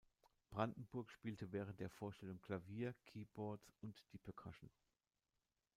Brandenburg spielte während der Vorstellung Klavier, Keyboards und die Percussion.